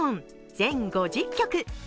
全５０曲。